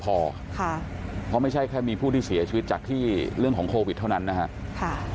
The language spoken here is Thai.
เพราะไม่ใช่แค่มีผู้ที่เสียชีวิตจากที่เรื่องของโควิดเท่านั้นนะครับ